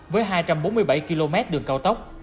với hai trăm bốn mươi bảy km đường cao tốc